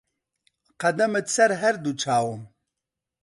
قەدەمت سەر هەر دوو چاوم